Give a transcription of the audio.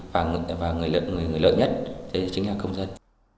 và người lợi nhất thì chính là công dân